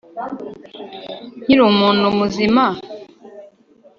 nkiri umuntu muzima? "